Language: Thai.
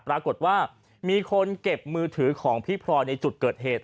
ปรากฏว่ามีคนเก็บมือถือของพี่พลอยในจุดเกิดเหตุ